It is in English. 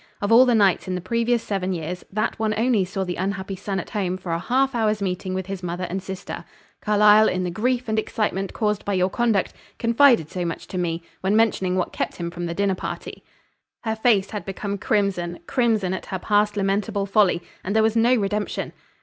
Of all the nights in the previous seven years, that one only saw the unhappy son at home for a half hour's meeting with his mother and sister. Carlyle, in the grief and excitement caused by your conduct, confided so much to me, when mentioning what kept him from the dinner party." Her face had become crimson crimson at her past lamentable folly. And there was no redemption!